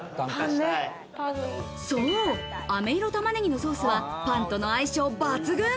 そう、あめいろたまねぎのソースは、パンとの相性抜群。